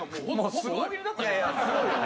すごいよね。